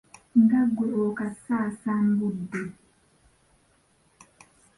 Nga ggwe okasasambudde.